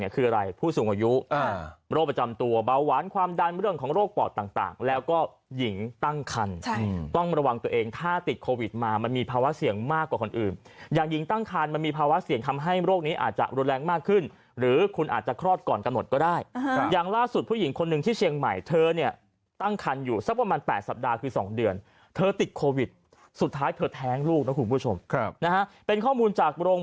คืออะไรผู้สูงอายุโรคประจำตัวเบาหวานความดันเรื่องของโรคปอดต่างแล้วก็หญิงตั้งคันต้องระวังตัวเองถ้าติดโควิดมามันมีภาวะเสี่ยงมากกว่าคนอื่นอย่างหญิงตั้งคันมันมีภาวะเสี่ยงทำให้โรคนี้อาจจะแรงมากขึ้นหรือคุณอาจจะครอบก่อนกำหนดก็ได้อย่างล่าสุดผู้หญิงคนหนึ่งที่เชียงใหม่เธอเนี่ยตั้ง